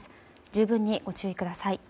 十分にご注意ください。